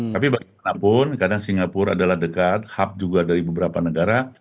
tapi bagaimanapun kadang singapura adalah dekat hub juga dari beberapa negara